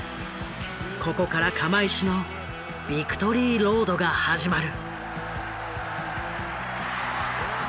ここから釜石のビクトリーロードが始まる。